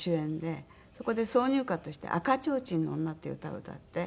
そこで挿入歌として『赤提灯の女』っていう歌を歌って。